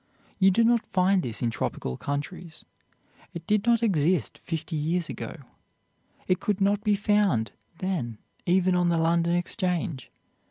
You do not find this in tropical countries. It did not exist fifty years ago. It could not be found then even on the London Exchange.